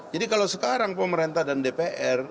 jadi kalau sekarang pemerintah dan dpr